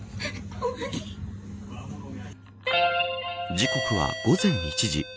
時刻は午前１時。